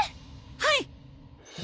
はい！